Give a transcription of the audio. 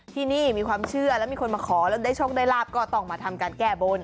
ที่นี่มีความเชื่อแล้วมีคนมาขอแล้วได้โชคได้ลาบก็ต้องมาทำการแก้บน